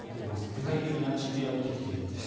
具体的な地名が出てきているんです。